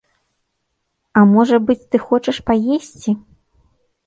А можа быць, ты хочаш паесці?